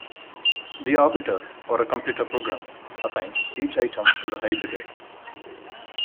The arbiter, or a computer program, assigns each item to the high bidder.